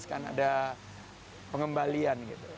kan ada pengembalian gitu